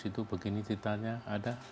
itu begini ceritanya ada